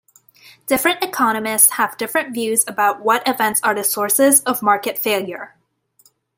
Different economists have different views about what events are the sources of market failure.